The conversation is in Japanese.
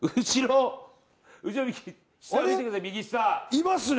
いますね！